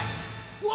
うわ！